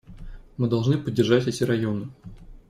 Мы должны поддержать эти районы.